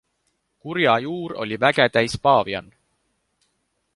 Kurja juur oli väge täis paavian.